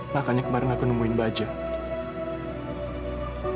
makanya kemarin aku nungguin bajang